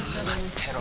てろ